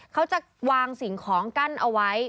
เขาจะวางสิ่งของกั้นเอาไว้